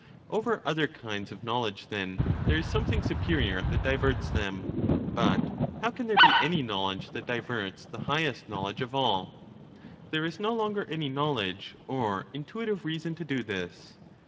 Over other kinds of knowledge, then, there is something superior that diverts them ; but how can there be any knowledge that diverts the highest knowledge 10 of all ? There is no longer any knowledge or intuitive reason to do this.